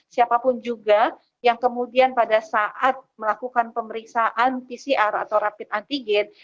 siapapun juga yang kemudian pada saat melakukan pemeriksaan pcr atau rapid antigen